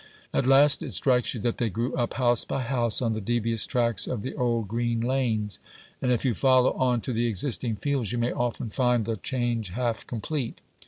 At last it strikes you that they grew up, house by house, on the devious tracks of the old green lanes; and if you follow on to the existing fields, you may often find the change half complete.